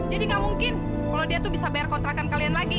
jadi nggak mungkin kalau dia tuh bisa bayar kontrakan kalian lagi